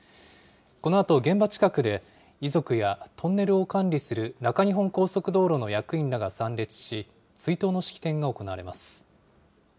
このあと現場近くで、遺族やトンネルを管理する中日本高速道路の役員らが参列し、追悼の式典が行われます。